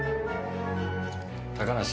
高梨。